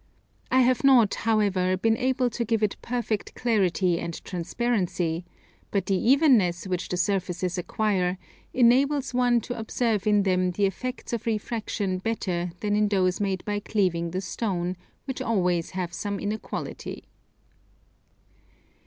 I have not, however, been able to give it perfect clarity and transparency; but the evenness which the surfaces acquire enables one to observe in them the effects of refraction better than in those made by cleaving the stone, which always have some inequality.